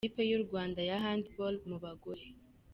Ikipe y’u Rwanda ya Handball mu bagore.